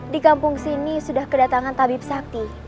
di kampung sini sudah kedatangan tabib sakti